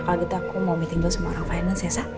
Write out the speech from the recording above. kalau gitu aku mau meeting dulu sama orang finance ya sa